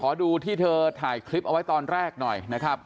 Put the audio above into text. ดูที่เธอถ่ายคลิปเอาไว้ตอนแรกหน่อยนะครับ